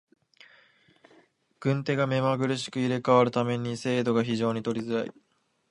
運手が目まぐるしく入れ替わる為に精度が非常に取りづらい。